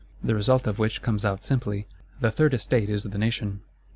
_ The result of which comes out simply: "The Third Estate is the Nation."